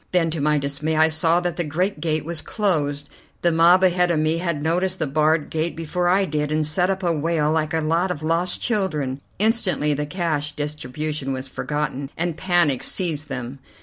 Then to my dismay, I saw that the great gate was closed. The mob ahead of me had noticed the barred gate before I did, and set up a wail like a lot of lost children. Instantly the cash distribution was forgotten, and panic seized them.